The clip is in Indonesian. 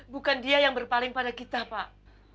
bukan dia yang berpaling pada kita pak